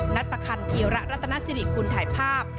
นัดประคันเทียระรัฐนาศิริคุณถ่ายภาพ